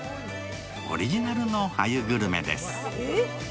オリジナルの鮎グルメです。